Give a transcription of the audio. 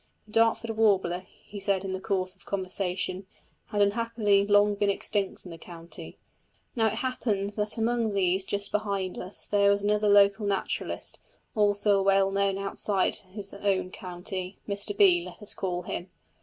The Dartford warbler, he said in the course of conversation, had unhappily long been extinct in the county. Now it happened that among those just behind us there was another local naturalist, also well known outside his own county Mr B., let us call him.